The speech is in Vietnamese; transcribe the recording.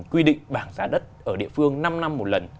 quy định bảng giá đất ở địa phương năm năm một lần